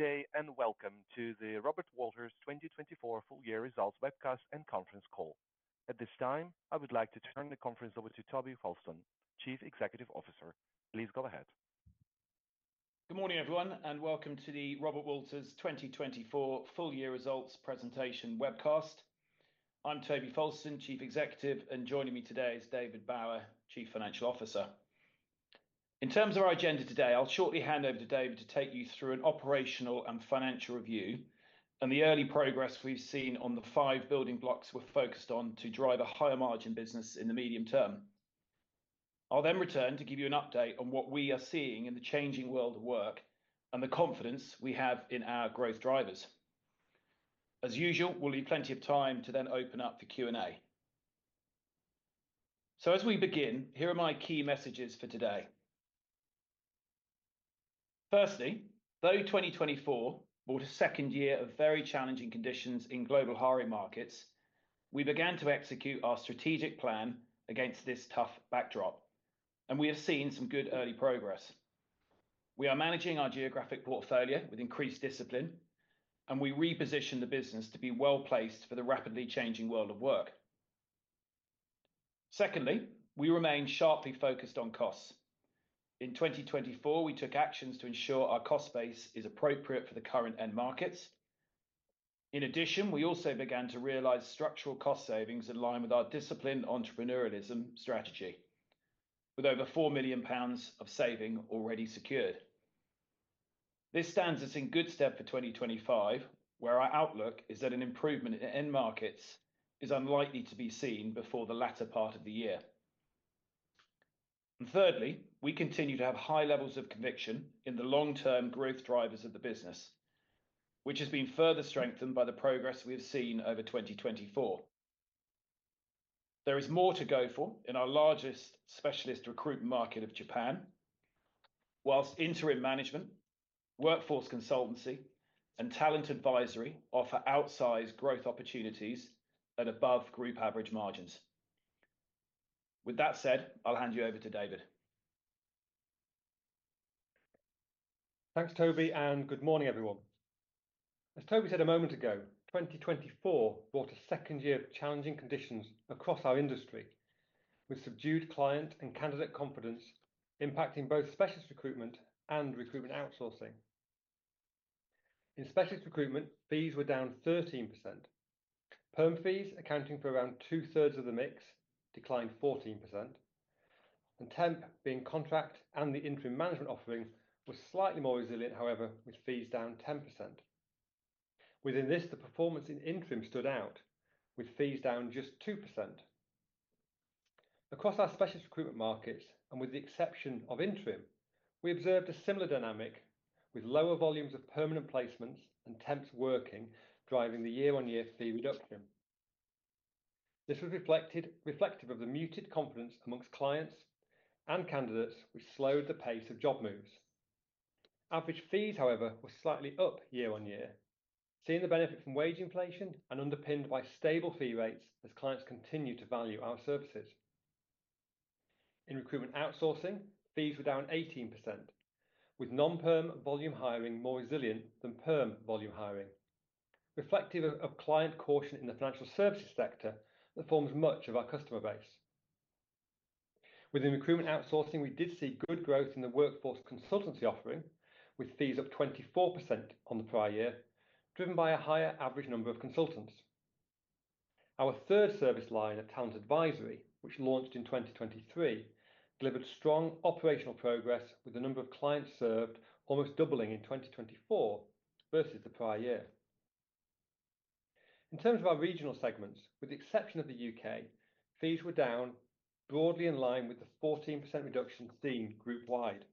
Good day and welcome to the Robert Walters 2024 full year results webcast and conference call. At this time, I would like to turn the conference over to Toby Fowlston, Chief Executive Officer. Please go ahead. Good morning, everyone, and welcome to the Robert Walters 2024 full year results presentation webcast. I'm Toby Fowlston, Chief Executive, and joining me today is David Bower, Chief Financial Officer. In terms of our agenda today, I'll shortly hand over to David to take you through an operational and financial review and the early progress we've seen on the five building blocks we're focused on to drive a higher margin business in the medium term. I'll then return to give you an update on what we are seeing in the changing world of work and the confidence we have in our growth drivers. As usual, we'll leave plenty of time to then open up for Q&A. Here are my key messages for today. Firstly, though 2024 brought a second year of very challenging conditions in global hiring markets, we began to execute our strategic plan against this tough backdrop, and we have seen some good early progress. We are managing our geographic portfolio with increased discipline, and we reposition the business to be well-placed for the rapidly changing world of work. Secondly, we remain sharply focused on costs. In 2024, we took actions to ensure our cost base is appropriate for the current end markets. In addition, we also began to realize structural cost savings in line with our disciplined entrepreneurialism strategy, with over 4 million pounds of saving already secured. This stands us in good stead for 2025, where our outlook is that an improvement in end markets is unlikely to be seen before the latter part of the year. Thirdly, we continue to have high levels of conviction in the long-term growth drivers of the business, which has been further strengthened by the progress we have seen over 2024. There is more to go for in our largest specialist recruitment market of Japan, whilst interim management, workforce consultancy, and talent advisory offer outsized growth opportunities at above group average margins. With that said, I'll hand you over to David. Thanks, Toby, and good morning, everyone. As Toby said a moment ago, 2024 brought a second year of challenging conditions across our industry, with subdued client and candidate confidence impacting both specialist recruitment and recruitment outsourcing. In specialist recruitment, fees were down 13%. Perm fees, accounting for around 2/3 of the mix, declined 14%, and temp, being contract and the interim management offering, were slightly more resilient, however, with fees down 10%. Within this, the performance in interim stood out, with fees down just 2%. Across our specialist recruitment markets, and with the exception of interim, we observed a similar dynamic with lower volumes of permanent placements and temps working, driving the year-on-year fee reduction. This was reflective of the muted confidence amongst clients and candidates, which slowed the pace of job moves. Average fees, however, were slightly up year-on-year, seeing the benefit from wage inflation and underpinned by stable fee rates as clients continue to value our services. In recruitment outsourcing, fees were down 18%, with non-perm volume hiring more resilient than perm volume hiring, reflective of client caution in the financial services sector that forms much of our customer base. Within recruitment outsourcing, we did see good growth in the workforce consultancy offering, with fees up 24% on the prior year, driven by a higher average number of consultants. Our third service line of talent advisory, which launched in 2023, delivered strong operational progress, with the number of clients served almost doubling in 2024 versus the prior year. In terms of our regional segments, with the exception of the U.K., fees were down, broadly in line with the 14% reduction seen group-wide.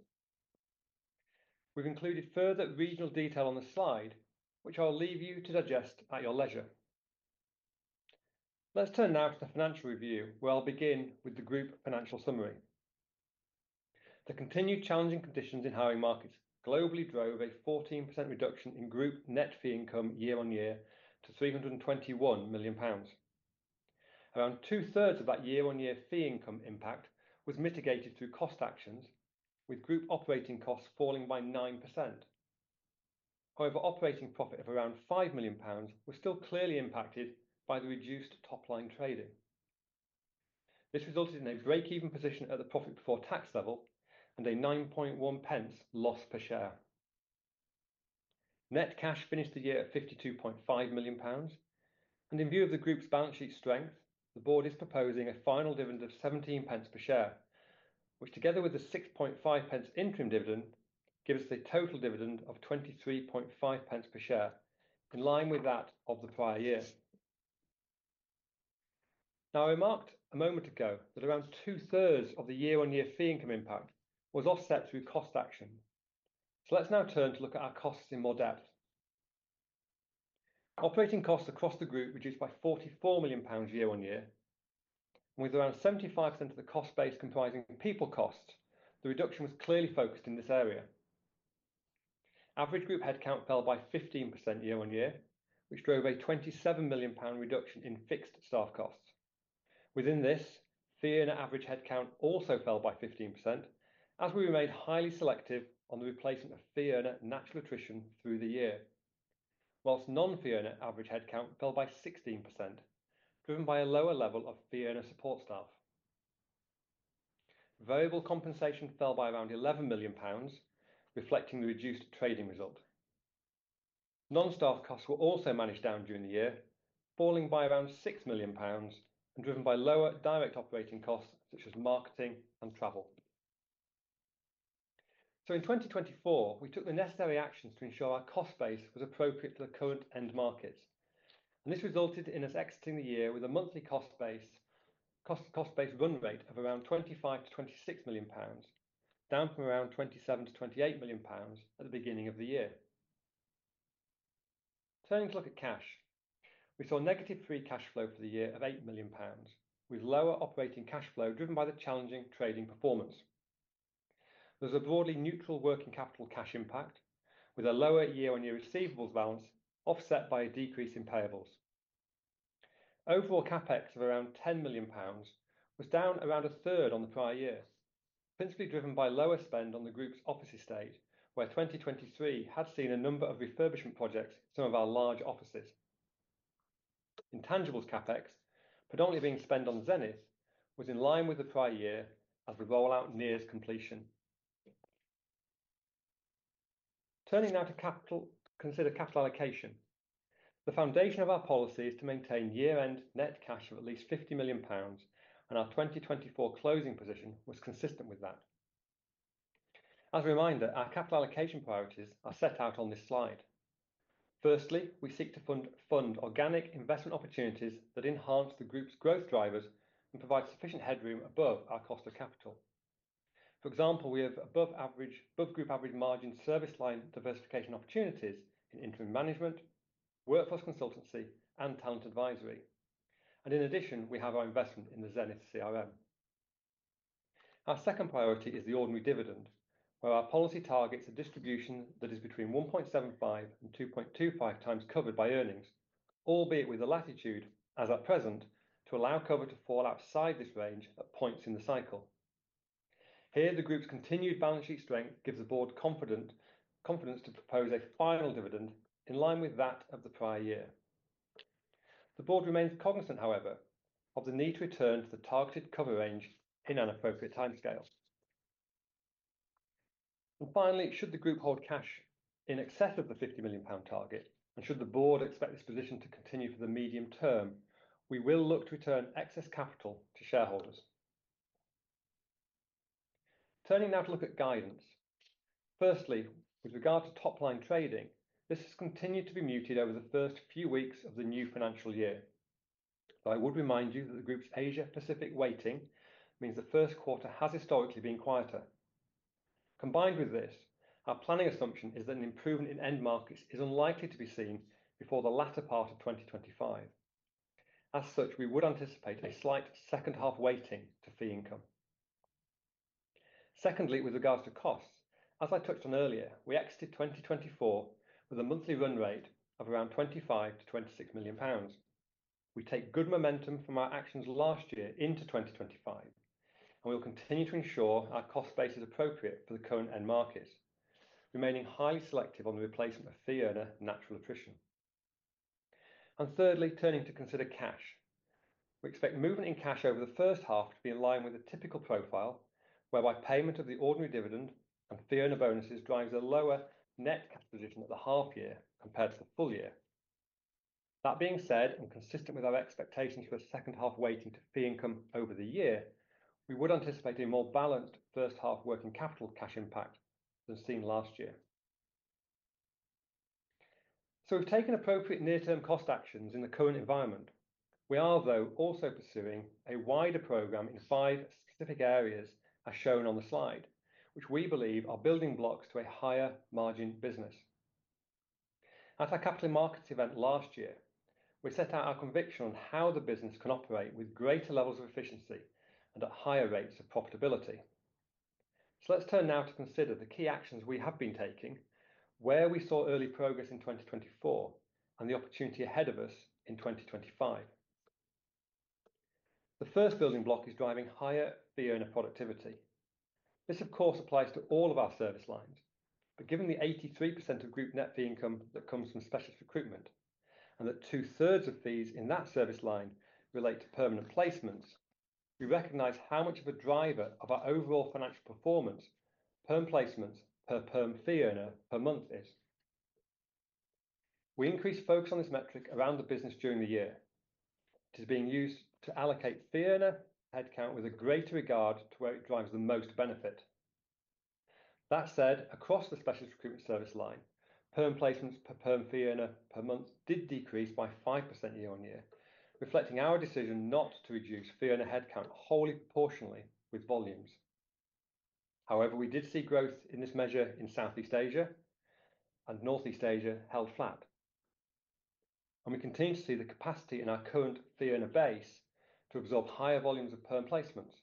We've included further regional detail on the slide, which I'll leave you to digest at your leisure. Let's turn now to the financial review, where I'll begin with the group financial summary. The continued challenging conditions in hiring markets globally drove a 14% reduction in group net fee income year-on-year to 321 million pounds. Around two-thirds of that year-on-year fee income impact was mitigated through cost actions, with group operating costs falling by 9%. However, operating profit of around 5 million pounds was still clearly impacted by the reduced top-line trading. This resulted in a break-even position at the profit before tax level and a 0.091 loss per share. Net cash finished the year at 52.5 million pounds, and in view of the group's balance sheet strength, the board is proposing a final dividend of 0.17 per share, which, together with the 0.065 interim dividend, gives us a total dividend of 0.235 per share, in line with that of the prior year. I remarked a moment ago that around 2/3 of the year-on-year fee income impact was offset through cost action. Let's now turn to look at our costs in more depth. Operating costs across the group reduced by 44 million pounds year-on-year, and with around 75% of the cost base comprising people costs, the reduction was clearly focused in this area. Average group headcount fell by 15% year-on-year, which drove a 27 million pound reduction in fixed staff costs. Within this, fee earner average headcount also fell by 15%, as we remained highly selective on the replacement of fee earner natural attrition through the year, while non-fee earner average headcount fell by 16%, driven by a lower level of fee earner support staff. Variable compensation fell by around 11 million pounds, reflecting the reduced trading result. Non-staff costs were also managed down during the year, falling by around 6 million pounds, and driven by lower direct operating costs such as marketing and travel. In 2024, we took the necessary actions to ensure our cost base was appropriate for the current end markets, and this resulted in us exiting the year with a monthly cost base run rate of around 25 million-26 million pounds, down from around 27 million-28 million pounds at the beginning of the year. Turning to look at cash, we saw negative free cash flow for the year of 8 million pounds, with lower operating cash flow driven by the challenging trading performance. There was a broadly neutral working capital cash impact, with a lower year-on-year receivables balance offset by a decrease in payables. Overall CapEx of around 10 million pounds was down around a third on the prior year, principally driven by lower spend on the group's office estate, where 2023 had seen a number of refurbishment projects in some of our large offices. Intangibles CapEx, predominantly being spent on Zenith, was in line with the prior year as we roll out near its completion. Turning now to consider capital allocation. The foundation of our policy is to maintain year-end net cash of at least 50 million pounds, and our 2024 closing position was consistent with that. As a reminder, our capital allocation priorities are set out on this slide. Firstly, we seek to fund organic investment opportunities that enhance the group's growth drivers and provide sufficient headroom above our cost of capital. For example, we have above-group average margin service line diversification opportunities in interim management, workforce consultancy, and talent advisory. In addition, we have our investment in the Zenith CRM. Our second priority is the ordinary dividend, where our policy targets a distribution that is between 1.75x-2.25x covered by earnings, albeit with a latitude, as at present, to allow cover to fall outside this range at points in the cycle. Here, the group's continued balance sheet strength gives the board confidence to propose a final dividend in line with that of the prior year. The board remains cognizant, however, of the need to return to the targeted cover range in an appropriate timescale. Finally, should the group hold cash in excess of 50 million pound, and should the board expect this position to continue for the medium term, we will look to return excess capital to shareholders. Turning now to look at guidance. Firstly, with regard to top-line trading, this has continued to be muted over the first few weeks of the new financial year. I would remind you that the group's Asia-Pacific weighting means the first quarter has historically been quieter. Combined with this, our planning assumption is that an improvement in end markets is unlikely to be seen before the latter part of 2025. As such, we would anticipate a slight second half weighting to fee income. Secondly, with regards to costs, as I touched on earlier, we exited 2024 with a monthly run rate of around 25 million-26 million pounds. We take good momentum from our actions last year into 2025, and we will continue to ensure our cost base is appropriate for the current end markets, remaining highly selective on the replacement of fee earner natural attrition. Thirdly, turning to consider cash, we expect movement in cash over the first half to be in line with a typical profile, whereby payment of the ordinary dividend and fee earner bonuses drives a lower net cash position at the half year compared to the full year. That being said, and consistent with our expectations for a second half weighting to fee income over the year, we would anticipate a more balanced first half working capital cash impact than seen last year. We have taken appropriate near-term cost actions in the current environment. We are, though, also pursuing a wider program in five specific areas, as shown on the slide, which we believe are building blocks to a higher margin business. At our capital markets event last year, we set out our conviction on how the business can operate with greater levels of efficiency and at higher rates of profitability. Let's turn now to consider the key actions we have been taking, where we saw early progress in 2024, and the opportunity ahead of us in 2025. The first building block is driving higher fee earner productivity. This, of course, applies to all of our service lines, but given the 83% of group net fee income that comes from specialist recruitment, and that 2/3 of fees in that service line relate to permanent placements, we recognize how much of a driver of our overall financial performance perm placements per perm fee earner per month is. We increase focus on this metric around the business during the year. It is being used to allocate fee earner headcount with a greater regard to where it drives the most benefit. That said, across the specialist recruitment service line, perm placements per perm fee earner per month did decrease by 5% year-on-year, reflecting our decision not to reduce fee earner headcount wholly proportionally with volumes. However, we did see growth in this measure in Southeast Asia, and Northeast Asia held flat. We continue to see the capacity in our current fee earner base to absorb higher volumes of perm placements,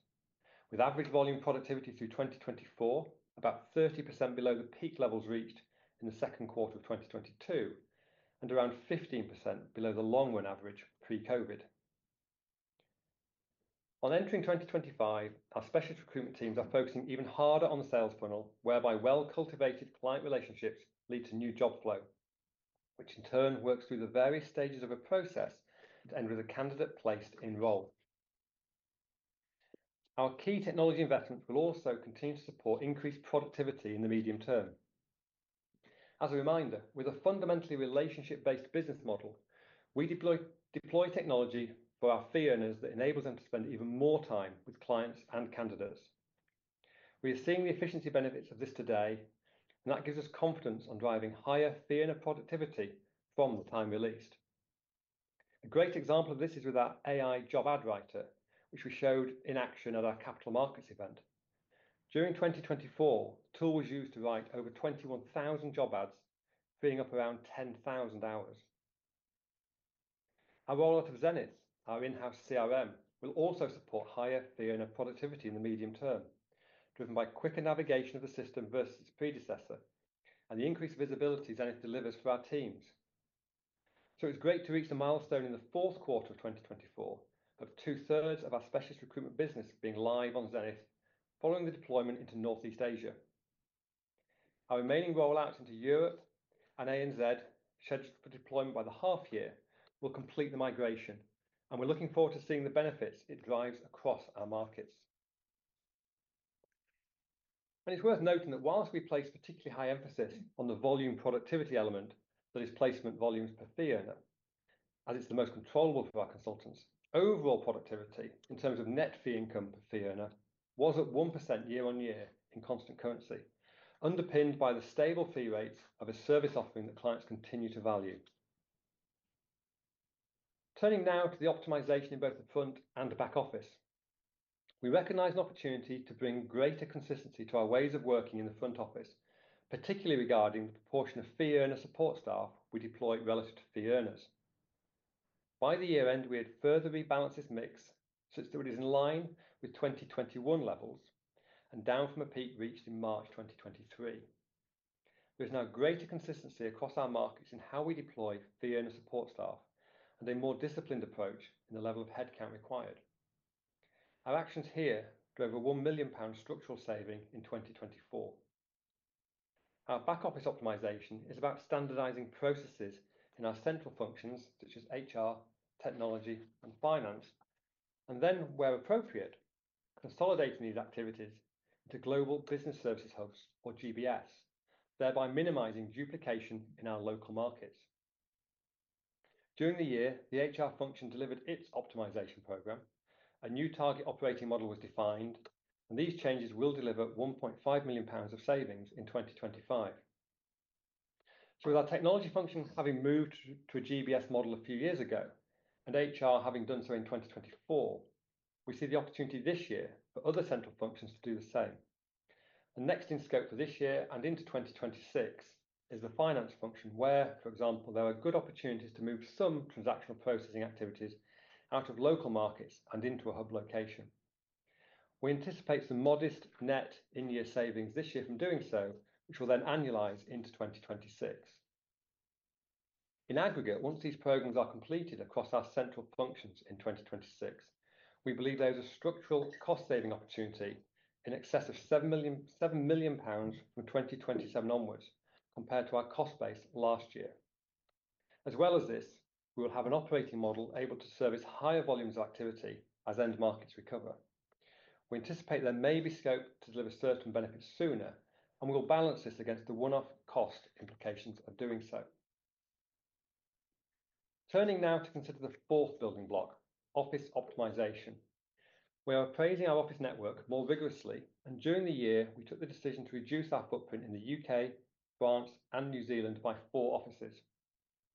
with average volume productivity through 2024 about 30% below the peak levels reached in the second quarter of 2022, and around 15% below the long-run average pre-COVID. On entering 2025, our specialist recruitment teams are focusing even harder on the sales funnel, whereby well-cultivated client relationships lead to new job flow, which in turn works through the various stages of a process to end with a candidate placed in role. Our key technology investments will also continue to support increased productivity in the medium term. As a reminder, with a fundamentally relationship-based business model, we deploy technology for our fee earners that enables them to spend even more time with clients and candidates. We are seeing the efficiency benefits of this today, and that gives us confidence on driving higher fee earner productivity from the time released. A great example of this is with our AI job ad writer, which we showed in action at our capital markets event. During 2024, the tool was used to write over 21,000 job ads, freeing up around 10,000 hours. Our rollout of Zenith, our in-house CRM, will also support higher fee earner productivity in the medium term, driven by quicker navigation of the system versus its predecessor, and the increased visibility Zenith delivers for our teams. It is great to reach the milestone in the fourth quarter of 2024 of two-thirds of our specialist recruitment business being live on Zenith following the deployment into Northeast Asia. Our remaining rollouts into Europe and ANZ, scheduled for deployment by the half year, will complete the migration, and we're looking forward to seeing the benefits it drives across our markets. It is worth noting that whilst we place particularly high emphasis on the volume productivity element that is placement volumes per fee earner, as it is the most controllable for our consultants, overall productivity in terms of net fee income per fee earner was at 1% year-on-year in constant currency, underpinned by the stable fee rates of a service offering that clients continue to value. Turning now to the optimization in both the front and back office, we recognize an opportunity to bring greater consistency to our ways of working in the front office, particularly regarding the proportion of fee earner support staff we deploy relative to fee earners. By the year-end, we had further rebalanced this mix such that it is in line with 2021 levels and down from a peak reached in March 2023. There is now greater consistency across our markets in how we deploy fee earner support staff and a more disciplined approach in the level of headcount required. Our actions here drove a 1 million pound structural saving in 2024. Our back office optimization is about standardizing processes in our central functions such as HR, technology, and finance, and then, where appropriate, consolidating these activities into Global Business Services hosts, or GBS, thereby minimizing duplication in our local markets. During the year, the HR function delivered its optimization program, a new target operating model was defined, and these changes will deliver 1.5 million pounds of savings in 2025. With our technology function having moved to a GBS model a few years ago, and HR having done so in 2024, we see the opportunity this year for other central functions to do the same. The next in scope for this year and into 2026 is the finance function, where, for example, there are good opportunities to move some transactional processing activities out of local markets and into a hub location. We anticipate some modest net in-year savings this year from doing so, which will then annualize into 2026. In aggregate, once these programs are completed across our central functions in 2026, we believe there is a structural cost-saving opportunity in excess of 7 million pounds from 2027 onwards, compared to our cost base last year. As well as this, we will have an operating model able to service higher volumes of activity as end markets recover. We anticipate there may be scope to deliver certain benefits sooner, and we will balance this against the one-off cost implications of doing so. Turning now to consider the fourth building block, office optimization. We are appraising our office network more vigorously, and during the year, we took the decision to reduce our footprint in the U.K., France, and New Zealand by four offices.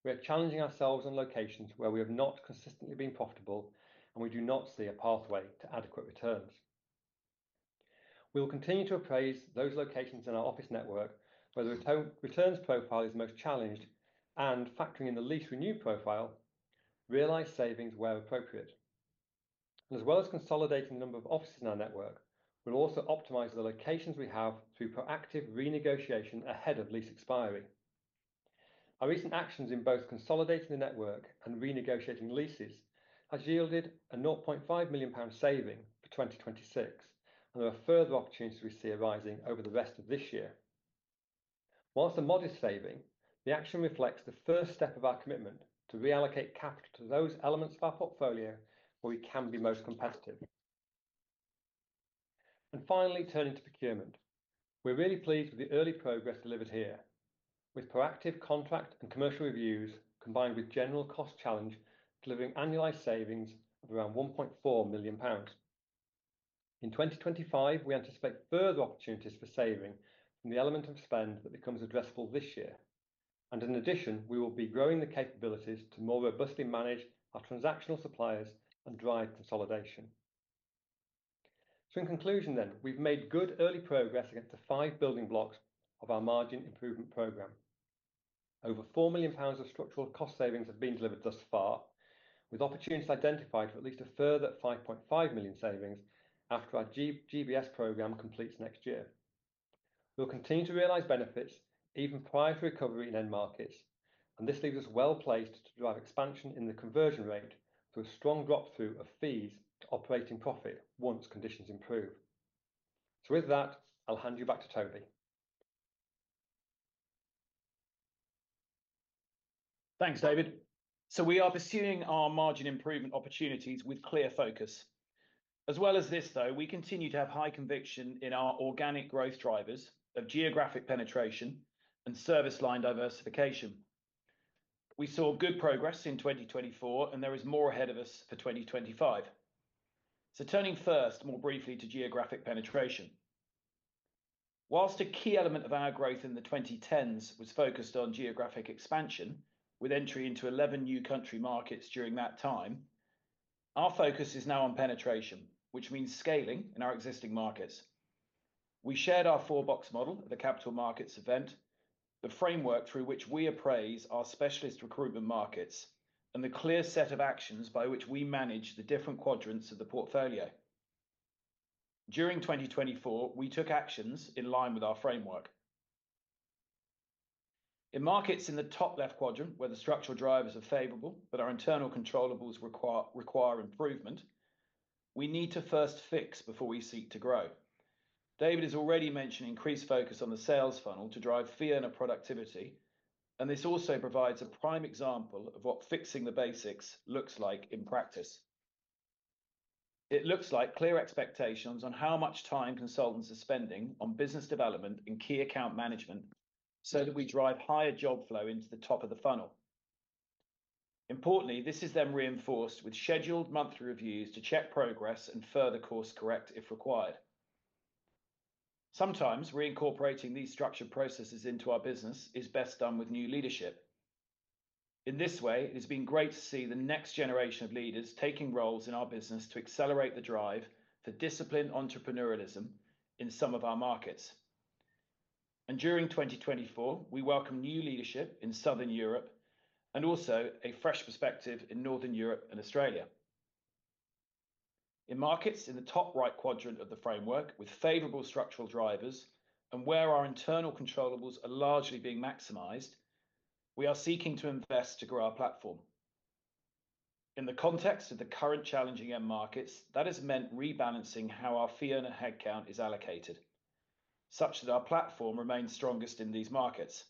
We are challenging ourselves on locations where we have not consistently been profitable, and we do not see a pathway to adequate returns. We will continue to appraise those locations in our office network where the returns profile is most challenged and, factoring in the lease renew profile, realize savings where appropriate. As well as consolidating the number of offices in our network, we'll also optimize the locations we have through proactive renegotiation ahead of lease expiry. Our recent actions in both consolidating the network and renegotiating leases have yielded a 0.5 million pound saving for 2026, and there are further opportunities we see arising over the rest of this year. Whilst a modest saving, the action reflects the first step of our commitment to reallocate capital to those elements of our portfolio where we can be most competitive. Finally, turning to procurement, we're really pleased with the early progress delivered here, with proactive contract and commercial reviews combined with general cost challenge delivering annualized savings of around 1.4 million pounds. In 2025, we anticipate further opportunities for saving from the element of spend that becomes addressable this year. In addition, we will be growing the capabilities to more robustly manage our transactional suppliers and drive consolidation. In conclusion then, we've made good early progress against the five building blocks of our margin improvement program. Over 4 million pounds of structural cost savings have been delivered thus far, with opportunities identified for at least a further 5.5 million savings after our GBS program completes next year. We will continue to realize benefits even prior to recovery in end markets, and this leaves us well-placed to drive expansion in the conversion rate through a strong drop-through of fees to operating profit once conditions improve. With that, I will hand you back to Toby. Thanks, David. We are pursuing our margin improvement opportunities with clear focus. As well as this, though, we continue to have high conviction in our organic growth drivers of geographic penetration and service line diversification. We saw good progress in 2024, and there is more ahead of us for 2025. Turning first more briefly to geographic penetration. Whilst a key element of our growth in the 2010s was focused on geographic expansion, with entry into 11 new country markets during that time, our focus is now on penetration, which means scaling in our existing markets. We shared our four-box model at the Capital Markets event, the framework through which we appraise our specialist recruitment markets, and the clear set of actions by which we manage the different quadrants of the portfolio. During 2024, we took actions in line with our framework. In markets in the top left quadrant, where the structural drivers are favorable but our internal controllable require improvement, we need to first fix before we seek to grow. David has already mentioned increased focus on the sales funnel to drive fee earner productivity, and this also provides a prime example of what fixing the basics looks like in practice. It looks like clear expectations on how much time consultants are spending on business development and key account management so that we drive higher job flow into the top of the funnel. Importantly, this is then reinforced with scheduled monthly reviews to check progress and further course correct if required. Sometimes, reincorporating these structured processes into our business is best done with new leadership. In this way, it has been great to see the next generation of leaders taking roles in our business to accelerate the drive for disciplined entrepreneurialism in some of our markets. During 2024, we welcome new leadership in Southern Europe and also a fresh perspective in Northern Europe and Australia. In markets in the top right quadrant of the framework, with favorable structural drivers and where our internal controllable are largely being maximized, we are seeking to invest to grow our platform. In the context of the current challenging end markets, that has meant rebalancing how our fee earner headcount is allocated, such that our platform remains strongest in these markets.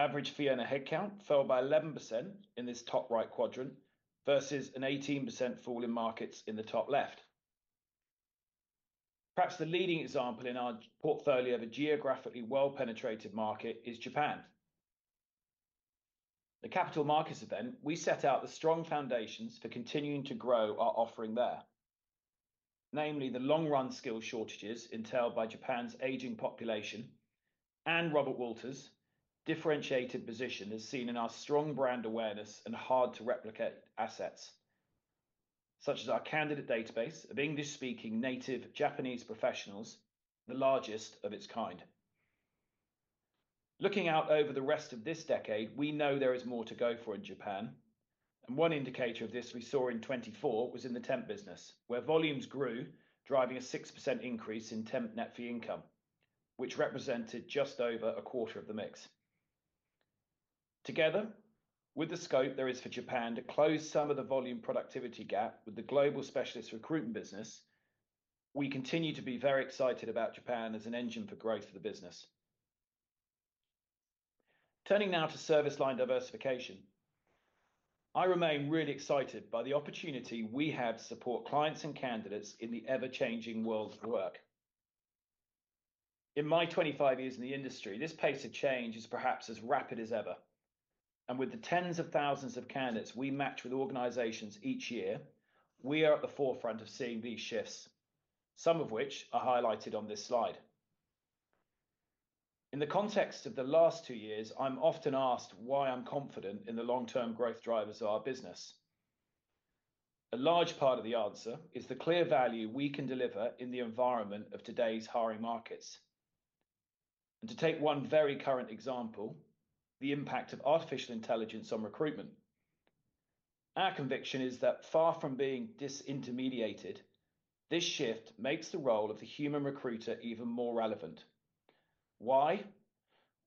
Average fee earner headcount fell by 11% in this top right quadrant versus an 18% fall in markets in the top left. Perhaps the leading example in our portfolio of a geographically well-penetrated market is Japan. At the Capital Markets event, we set out the strong foundations for continuing to grow our offering there, namely the long-run skill shortages entailed by Japan's aging population and Robert Walters' differentiated position as seen in our strong brand awareness and hard-to-replicate assets, such as our candidate database of English-speaking native Japanese professionals, the largest of its kind. Looking out over the rest of this decade, we know there is more to go for in Japan, and one indicator of this we saw in 2024 was in the temp business, where volumes grew, driving a 6% increase in temp net fee income, which represented just over a quarter of the mix. Together with the scope there is for Japan to close some of the volume productivity gap with the global specialist recruitment business, we continue to be very excited about Japan as an engine for growth of the business. Turning now to service line diversification, I remain really excited by the opportunity we have to support clients and candidates in the ever-changing world of work. In my 25 years in the industry, this pace of change is perhaps as rapid as ever, and with the tens of thousands of candidates we match with organizations each year, we are at the forefront of seeing these shifts, some of which are highlighted on this slide. In the context of the last two years, I'm often asked why I'm confident in the long-term growth drivers of our business. A large part of the answer is the clear value we can deliver in the environment of today's hiring markets. To take one very current example, the impact of artificial intelligence on recruitment. Our conviction is that far from being disintermediated, this shift makes the role of the human recruiter even more relevant. Why?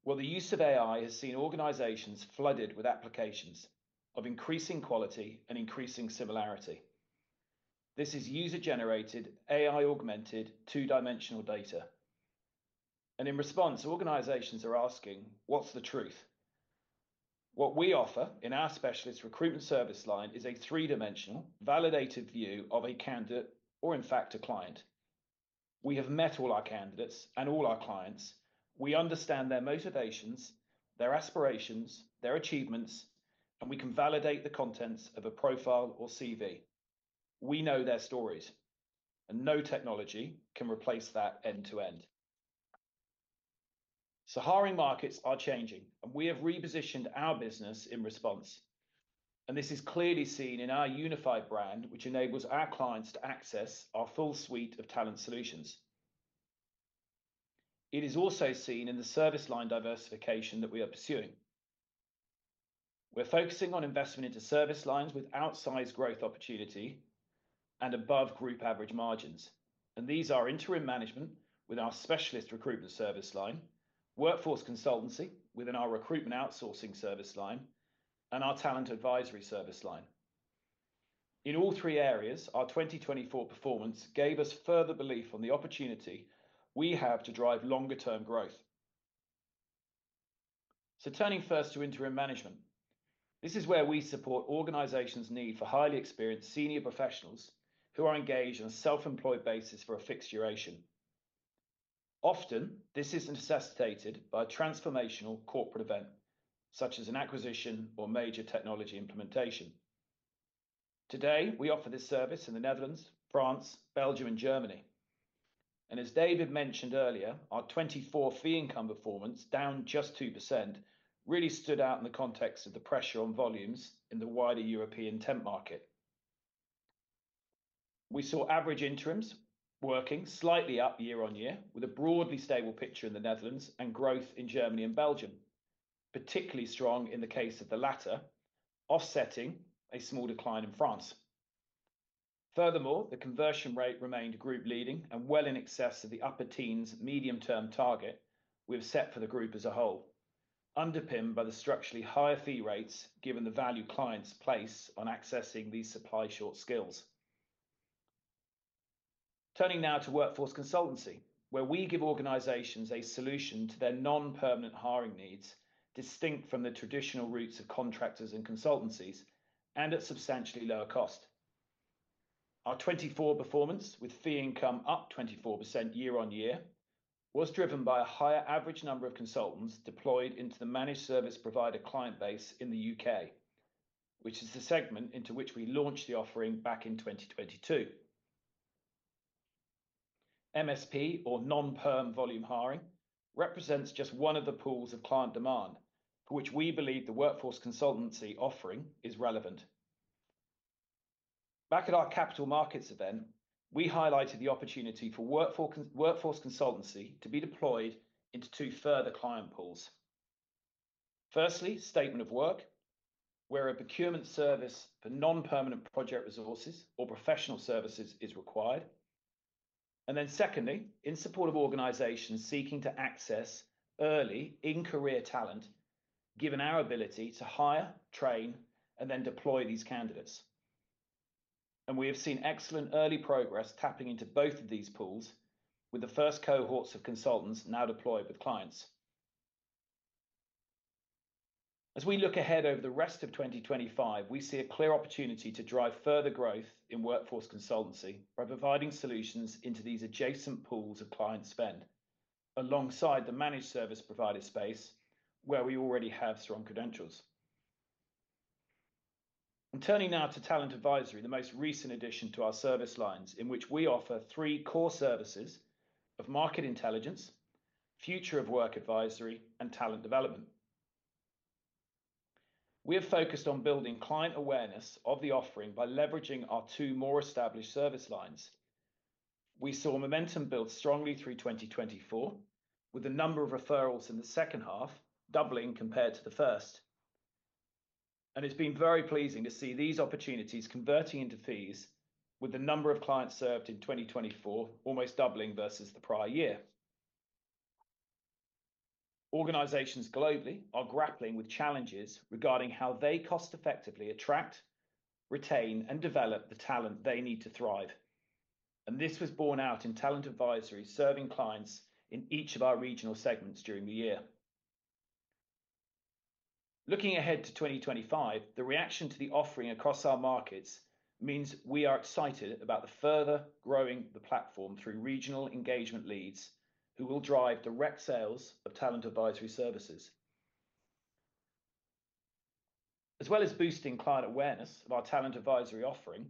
The use of AI has seen organizations flooded with applications of increasing quality and increasing similarity. This is user-generated, AI-augmented, two-dimensional data. In response, organizations are asking, what's the truth? What we offer in our specialist recruitment service line is a three-dimensional, validated view of a candidate or, in fact, a client. We have met all our candidates and all our clients. We understand their motivations, their aspirations, their achievements, and we can validate the contents of a profile or CV. We know their stories, and no technology can replace that end-to-end. Hiring markets are changing, and we have repositioned our business in response, and this is clearly seen in our unified brand, which enables our clients to access our full suite of talent solutions. It is also seen in the service line diversification that we are pursuing. We're focusing on investment into service lines with outsized growth opportunity and above group average margins, and these are interim management with our specialist recruitment service line, workforce consultancy within our recruitment outsourcing service line, and our talent advisory service line. In all three areas, our 2024 performance gave us further belief on the opportunity we have to drive longer-term growth. Turning first to interim management, this is where we support organizations' need for highly experienced senior professionals who are engaged on a self-employed basis for a fixed duration. Often, this is necessitated by a transformational corporate event, such as an acquisition or major technology implementation. Today, we offer this service in the Netherlands, France, Belgium, and Germany. As David mentioned earlier, our 2024 fee income performance, down just 2%, really stood out in the context of the pressure on volumes in the wider European temp market. We saw average interims working slightly up year-on-year, with a broadly stable picture in the Netherlands and growth in Germany and Belgium, particularly strong in the case of the latter, offsetting a small decline in France. Furthermore, the conversion rate remained group-leading and well in excess of the upper teens medium-term target we have set for the group as a whole, underpinned by the structurally higher fee rates given the value clients place on accessing these supply short skills. Turning now to workforce consultancy, where we give organizations a solution to their non-permanent hiring needs distinct from the traditional routes of contractors and consultancies and at substantially lower cost. Our 2024 performance with fee income up 24% year-on-year was driven by a higher average number of consultants deployed into the managed service provider client base in the U.K., which is the segment into which we launched the offering back in 2022. MSP, or non-perm volume hiring, represents just one of the pools of client demand for which we believe the workforce consultancy offering is relevant. Back at our Capital Markets event, we highlighted the opportunity for workforce consultancy to be deployed into two further client pools. Firstly, statement of work, where a procurement service for non-permanent project resources or professional services is required. Secondly, in support of organizations seeking to access early in-career talent, given our ability to hire, train, and then deploy these candidates. We have seen excellent early progress tapping into both of these pools, with the first cohorts of consultants now deployed with clients. As we look ahead over the rest of 2025, we see a clear opportunity to drive further growth in workforce consultancy by providing solutions into these adjacent pools of client spend, alongside the managed service provider space where we already have strong credentials. Turning now to talent advisory, the most recent addition to our service lines in which we offer three core services of market intelligence, future of work advisory, and talent development. We have focused on building client awareness of the offering by leveraging our two more established service lines. We saw momentum build strongly through 2024, with the number of referrals in the second half doubling compared to the first. It has been very pleasing to see these opportunities converting into fees, with the number of clients served in 2024 almost doubling versus the prior year. Organizations globally are grappling with challenges regarding how they cost-effectively attract, retain, and develop the talent they need to thrive. This was borne out in talent advisory serving clients in each of our regional segments during the year. Looking ahead to 2025, the reaction to the offering across our markets means we are excited about the further growing of the platform through regional engagement leads who will drive direct sales of talent advisory services. As well as boosting client awareness of our talent advisory offering,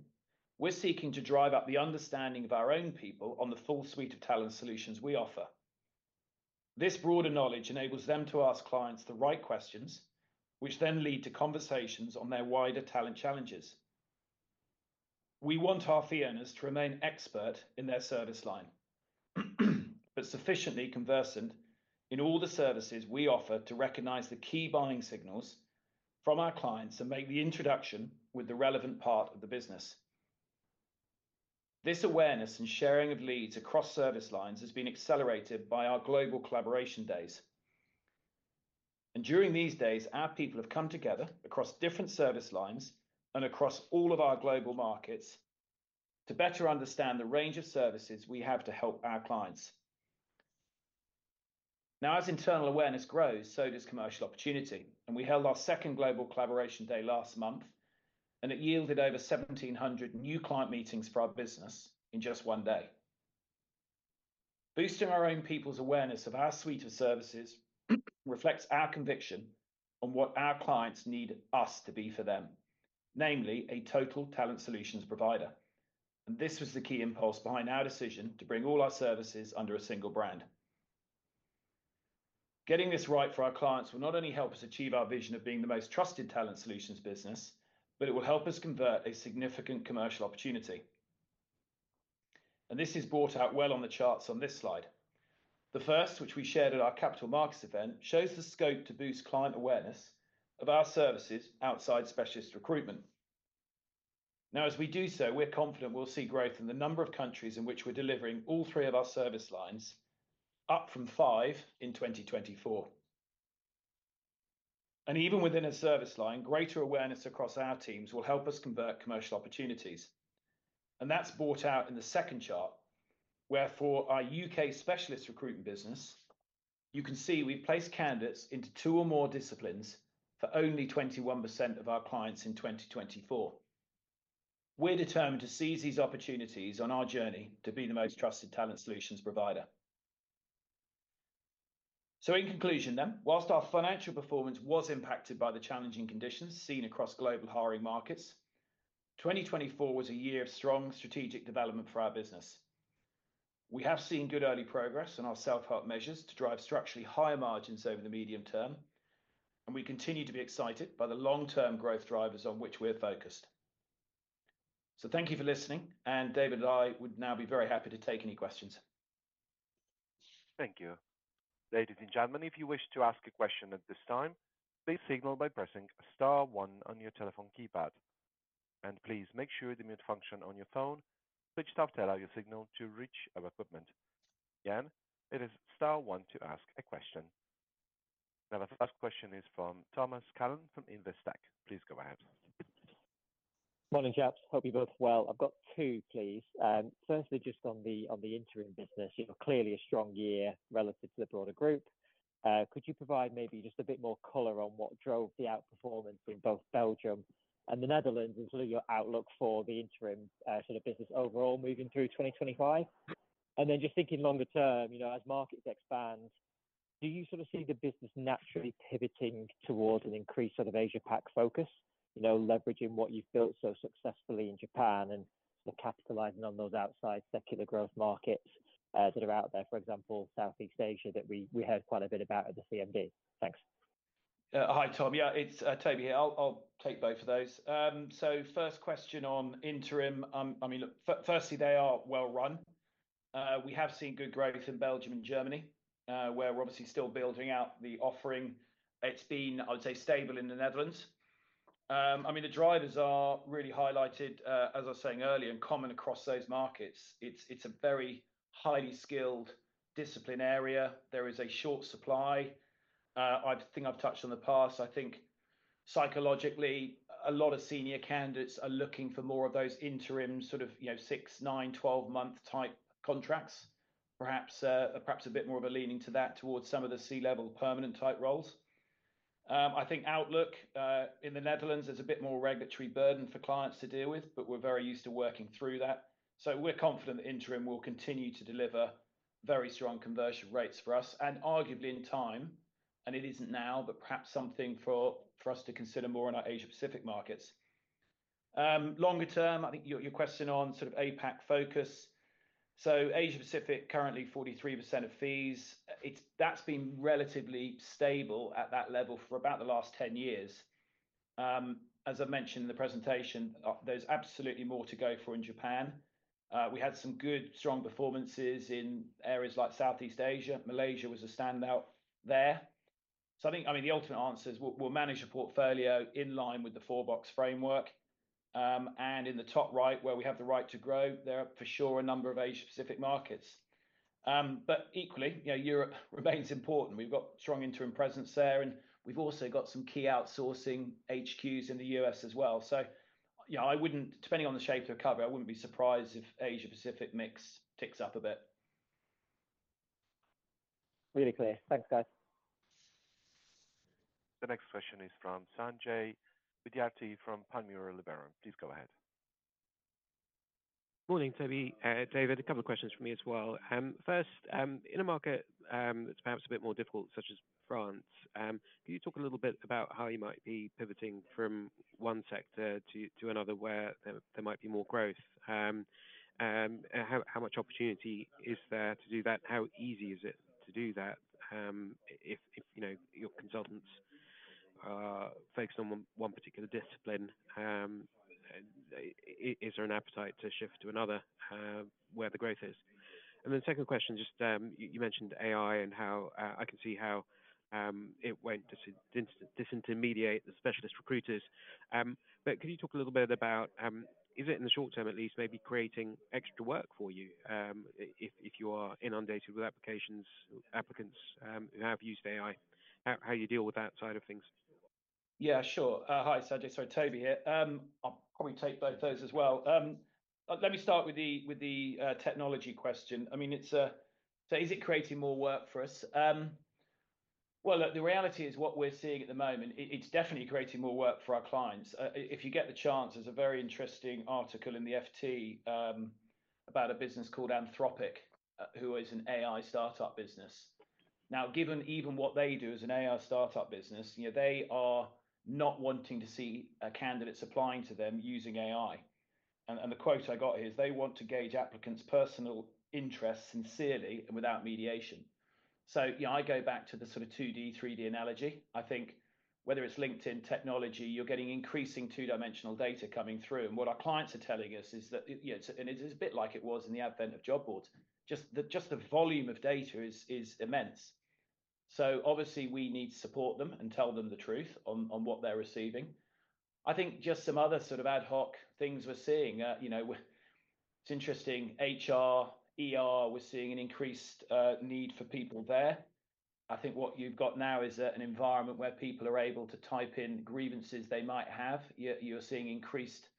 we are seeking to drive up the understanding of our own people on the full suite of talent solutions we offer. This broader knowledge enables them to ask clients the right questions, which then lead to conversations on their wider talent challenges. We want our fee earners to remain expert in their service line, but sufficiently conversant in all the services we offer to recognize the key buying signals from our clients and make the introduction with the relevant part of the business. This awareness and sharing of leads across service lines has been accelerated by our global collaboration days. During these days, our people have come together across different service lines and across all of our global markets to better understand the range of services we have to help our clients. Now, as internal awareness grows, so does commercial opportunity. We held our second global collaboration day last month, and it yielded over 1,700 new client meetings for our business in just one day. Boosting our own people's awareness of our suite of services reflects our conviction on what our clients need us to be for them, namely a total talent solutions provider. This was the key impulse behind our decision to bring all our services under a single brand. Getting this right for our clients will not only help us achieve our vision of being the most trusted talent solutions business, but it will help us convert a significant commercial opportunity. This is brought out well on the charts on this slide. The first, which we shared at our Capital Markets event, shows the scope to boost client awareness of our services outside specialist recruitment. As we do so, we're confident we'll see growth in the number of countries in which we're delivering all three of our service lines, up from five in 2024. Even within a service line, greater awareness across our teams will help us convert commercial opportunities. That is brought out in the second chart, where for our U.K. specialist recruitment business, you can see we have placed candidates into two or more disciplines for only 21% of our clients in 2024. We are determined to seize these opportunities on our journey to be the most trusted talent solutions provider. In conclusion, whilst our financial performance was impacted by the challenging conditions seen across global hiring markets, 2024 was a year of strong strategic development for our business. We have seen good early progress on our self-help measures to drive structurally higher margins over the medium term, and we continue to be excited by the long-term growth drivers on which we are focused. Thank you for listening, and David and I would now be very happy to take any questions. Thank you. Ladies and gentlemen, if you wish to ask a question at this time, please signal by pressing star one on your telephone keypad. Please make sure the mute function on your phone switches after your signal to reach our equipment. Again, it is star one to ask a question. The first question is from Thomas Callan from Investec. Please go ahead. Morning, chaps. Hope you're both well. I've got two, please. Firstly, just on the interim business, you clearly had a strong year relative to the broader group. Could you provide maybe just a bit more color on what drove the outperformance in both Belgium and the Netherlands, including your outlook for the interim sort of business overall moving through 2025? Then just thinking longer-term, you know, as markets expand, do you sort of see the business naturally pivoting towards an increased sort of Asia-Pac focus, you know, leveraging what you've built so successfully in Japan and sort of capitalizing on those outside secular growth markets that are out there, for example, Southeast Asia that we heard quite a bit about at the CMD? Thanks. Hi, Tom. Yeah, it's Toby here. I'll take both of those. First question on interim. I mean, look, firstly, they are well run. We have seen good growth in Belgium and Germany, where we're obviously still building out the offering. It's been, I would say, stable in the Netherlands. I mean, the drivers are really highlighted, as I was saying earlier, and common across those markets. It's a very highly skilled discipline area. There is a short supply. I think I've touched on the past. I think psychologically, a lot of senior candidates are looking for more of those interim sort of, you know, six, nine, 12-month type contracts, perhaps a bit more of a leaning to that towards some of the C-level permanent type roles. I think outlook in the Netherlands is a bit more regulatory burden for clients to deal with, but we're very used to working through that. We are confident that interim will continue to deliver very strong conversion rates for us, and arguably in time, and it isn't now, but perhaps something for us to consider more in our Asia-Pacific markets. Longer term, I think your question on sort of APAC focus. Asia-Pacific currently 43% of fees. That's been relatively stable at that level for about the last 10 years. As I mentioned in the presentation, there's absolutely more to go for in Japan. We had some good, strong performances in areas like Southeast Asia. Malaysia was a standout there. I think, I mean, the ultimate answer is we'll manage a portfolio in line with the four-box framework. In the top right, where we have the right to grow, there are for sure a number of Asia-Pacific markets. Equally, you know, Europe remains important. We've got strong interim presence there, and we've also got some key outsourcing HQs in the US as well. Yeah, I wouldn't, depending on the shape of the cover, I wouldn't be surprised if Asia-Pacific mix ticks up a bit. Really clear. Thanks, guys. The next question is from Sanjay Vidyarthi from Liberum. Please go ahead. Morning, Toby. David, a couple of questions for me as well. First, in a market that's perhaps a bit more difficult, such as France, can you talk a little bit about how you might be pivoting from one sector to another where there might be more growth? How much opportunity is there to do that? How easy is it to do that? If, you know, your consultants are focused on one particular discipline, is there an appetite to shift to another where the growth is? Second question, just you mentioned AI and how I can see how it won't disintermediate the specialist recruiters. Could you talk a little bit about, is it in the short term at least, maybe creating extra work for you if you are inundated with applications or applicants who have used AI? How do you deal with that side of things? Yeah, sure. Hi, Sanjay. Sorry, Toby here. I'll probably take both those as well. Let me start with the technology question. I mean, is it creating more work for us? Look, the reality is what we're seeing at the moment, it's definitely creating more work for our clients. If you get the chance, there's a very interesting article in the FT about a business called Anthropic, who is an AI startup business. Now, given even what they do as an AI startup business, you know, they are not wanting to see candidates applying to them using AI. The quote I got is, "They want to gauge applicants' personal interests sincerely and without mediation." You know, I go back to the sort of 2D, 3D analogy. I think whether it's LinkedIn technology, you're getting increasing two-dimensional data coming through. What our clients are telling us is that, you know, it's a bit like it was in the advent of job boards, just the volume of data is immense. Obviously, we need to support them and tell them the truth on what they're receiving. I think just some other sort of ad hoc things we're seeing, you know, it's interesting, HR, we're seeing an increased need for people there. I think what you've got now is an environment where people are able to type in grievances they might have. You're seeing an increased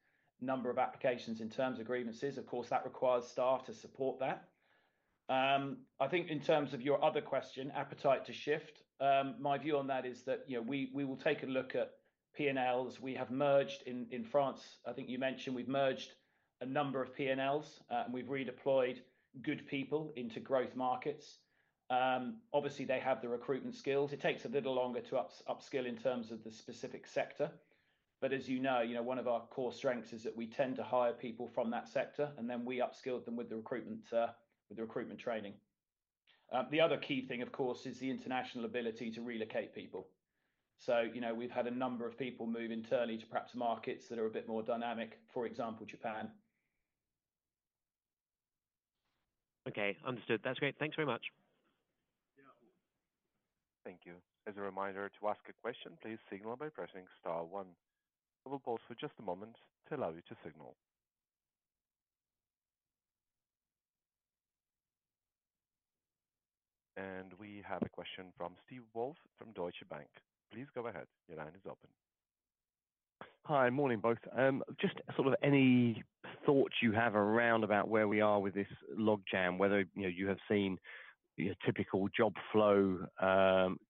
number of applications in terms of grievances. Of course, that requires staff to support that. I think in terms of your other question, appetite to shift, my view on that is that, you know, we will take a look at P&Ls. We have merged in France, I think you mentioned, we've merged a number of P&Ls, and we've redeployed good people into growth markets. Obviously, they have the recruitment skills. It takes a little longer to upskill in terms of the specific sector. But as you know, you know, one of our core strengths is that we tend to hire people from that sector, and then we upskill them with the recruitment training. The other key thing, of course, is the international ability to relocate people. So, you know, we've had a number of people move internally to perhaps markets that are a bit more dynamic, for example, Japan. Okay, understood. That's great. Thanks very much. Yeah. Thank you. As a reminder, to ask a question, please signal by pressing star one. We will pause for just a moment to allow you to signal. We have a question from Steve Woolf from Deutsche Bank. Please go ahead. Your line is open. Hi, morning, both. Just sort of any thoughts you have around about where we are with this log jam, whether, you know, you have seen your typical job flow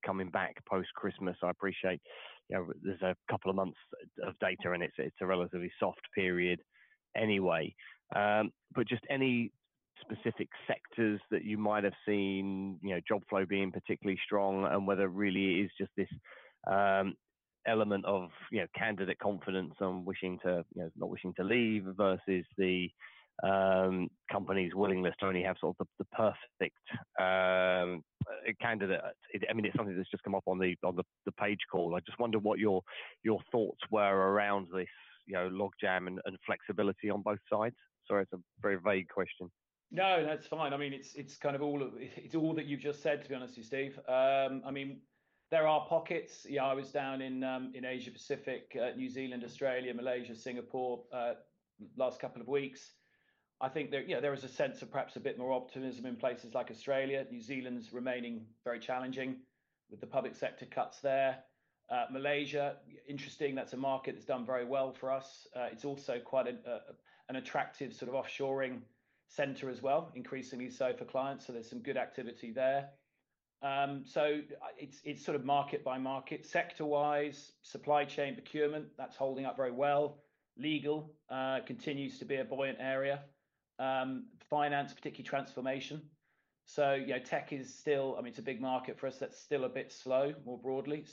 coming back post-Christmas. I appreciate, you know, there's a couple of months of data, and it's a relatively soft period anyway. Just any specific sectors that you might have seen, you know, job flow being particularly strong and whether really it is just this element of, you know, candidate confidence and wishing to, you know, not wishing to leave versus the company's willingness to only have sort of the perfect candidate. I mean, it's something that's just come up on the page call. I just wonder what your thoughts were around this, you know, log jam and flexibility on both sides. Sorry, it's a very vague question. No, that's fine. I mean, it's kind of all of it's all that you've just said, to be honest with you, Steve. I mean, there are pockets. Yeah, I was down in Asia-Pacific, New Zealand, Australia, Malaysia, Singapore last couple of weeks. I think there, you know, there is a sense of perhaps a bit more optimism in places like Australia. New Zealand's remaining very challenging with the public sector cuts there. Malaysia, interesting, that's a market that's done very well for us. It's also quite an attractive sort of offshoring center as well, increasingly so for clients. There's some good activity there. It's sort of market by market, sector-wise, supply chain, procurement, that's holding up very well. Legal continues to be a buoyant area. Finance, particularly transformation. Tech is still, I mean, it's a big market for us that's still a bit slow more broadly.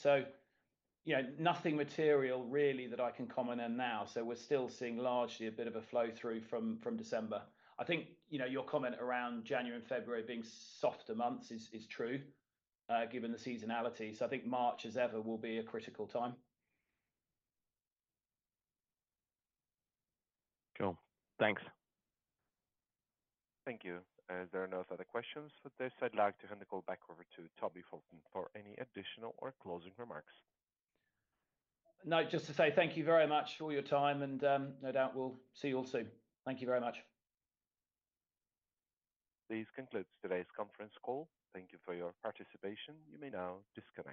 Nothing material really that I can comment on now. We're still seeing largely a bit of a flow through from December. I think your comment around January and February being softer months is true, given the seasonality. I think March as ever will be a critical time. Cool. Thanks. Thank you. If there are no further questions for this, I'd like to hand the call back over to Toby Fowlston for any additional or closing remarks. No, just to say thank you very much for your time, and no doubt we'll see you all soon. Thank you very much. This concludes today's conference call. Thank you for your participation. You may now disconnect.